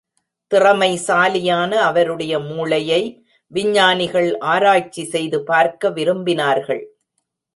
திறமைசாலியான அவருடைய மூளையை, விஞ்ஞானிகள் ஆராய்ச்சி செய்து பார்க்க விரும்பினார்கள்.